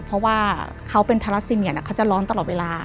เพราะว่าเขาเป็นทารัสซีเมียเขาจะร้อนตลอดเวลา